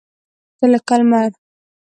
تۀ لکه لمر !